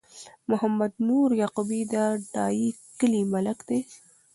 محمد نور یعقوبی د ډایی کلی ملک دی